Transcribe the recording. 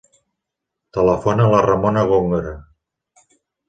Telefona a la Ramona Gongora.